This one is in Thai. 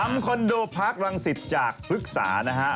ลำคอนโดพักรังสิทธิ์จากภึกษานะฮะ